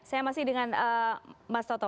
saya masih dengan mas toto